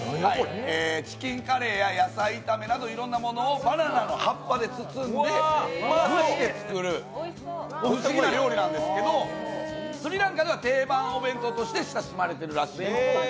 チキンカレーや野菜炒めなどいろんなものをバナナの葉っぱで包んで、蒸して作るおいしい料理なんですけど、スリランカでは定番お弁当として親しまれているらしい。